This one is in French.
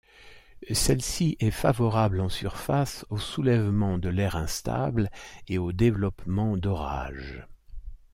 Celle-ci est favorable en surface au soulèvement de l'air instable et au développement d'orages.